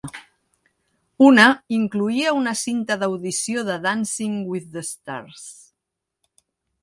Una incloïa una cinta d'audició de Dancing with the Stars.